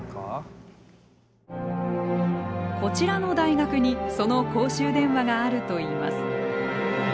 こちらの大学にその公衆電話があるといいます。